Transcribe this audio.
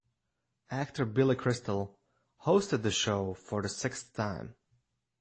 Actor Billy Crystal hosted the show for the sixth time.